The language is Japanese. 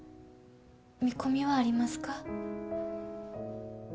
見込みはありますか？